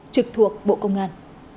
trực thuộc bộ công an